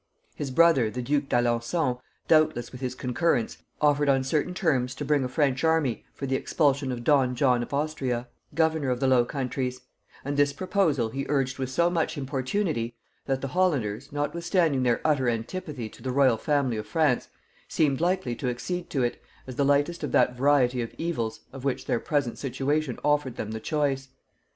His brother the duke d'Alençon, doubtless with his concurrence, offered on certain terms to bring a French army for the expulsion of don John of Austria, governor of the Low Countries; and this proposal he urged with so much importunity, that the Hollanders, notwithstanding their utter antipathy to the royal family of France, seemed likely to accede to it, as the lightest of that variety of evils of which their present situation offered them the choice.